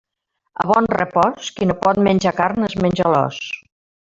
A Bonrepòs, qui no pot menjar carn es menja l'os.